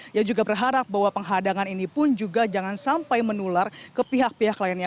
dia juga berharap bahwa penghadangan ini pun juga jangan sampai menular ke pihak pihak lainnya